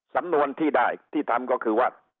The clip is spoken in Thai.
สำนวนที่ได้ที่ทำก็คือว่า